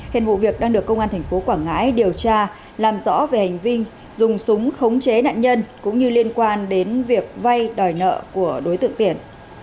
hiện vụ việc đang được công an thành phố quảng ngãi điều tra làm rõ về hành vi dùng súng khống chế nạn nhân cũng như liên quan đến việc vay đòi nợ của đối tượng tiển